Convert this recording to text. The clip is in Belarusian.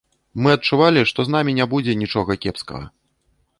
Мы адчувалі, што з намі не будзе нічога кепскага.